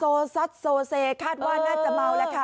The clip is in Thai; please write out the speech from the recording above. โซซัดโซเซคาดว่าน่าจะเมาแล้วค่ะ